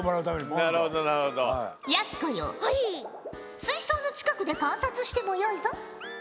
水槽の近くで観察してもよいぞ。